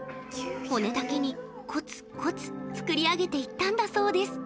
骨だけに、コツコツ作り上げていったんだそうです。